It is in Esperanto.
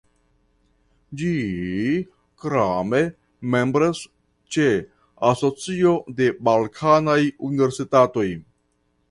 Ĝi krome membras ĉe "Asocio de balkanaj universitatoj".